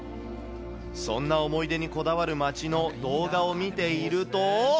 そんな思い出にこだわる街の動画を見ていると。